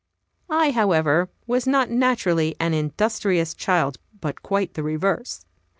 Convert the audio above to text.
I, however, was not naturally an industrious child, but quite the reverse.